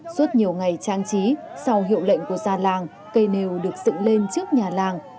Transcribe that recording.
suốt nhiều ngày trang trí sau hiệu lệnh của già làng cây nêu được dựng lên trước nhà làng